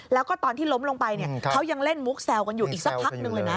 แล้วก็ตอนที่ล้มลงไปเขายังเล่นมุกแซวกันอยู่อีกสักพักหนึ่งเลยนะ